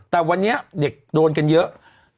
แต่วันนี้เด็กโดนกันเยอะ